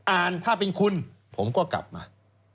อ่านถ้าเป็นคุณผมก็กลับมา